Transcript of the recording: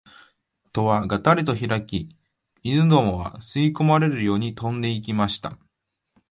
戸はがたりとひらき、犬どもは吸い込まれるように飛んで行きました